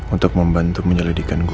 untuk membantu menyelidikan aku